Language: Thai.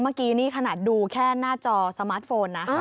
เมื่อกี้นี่ขนาดดูแค่หน้าจอสมาร์ทโฟนนะ